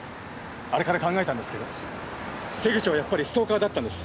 あれから考えたんですけど瀬口はやっぱりストーカーだったんです。